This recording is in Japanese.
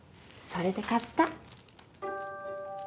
それで買った